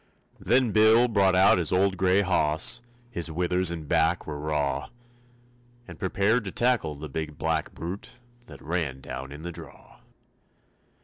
Then Bill brought out his old gray hoss, His withers and back were raw, And prepared to tackle the big black brute That ran down in the draw.